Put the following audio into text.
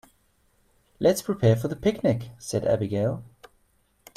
"Let's prepare for the picnic!", said Abigail.